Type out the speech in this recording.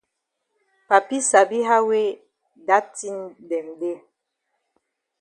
Papi sabi how wey dat tin dem dey.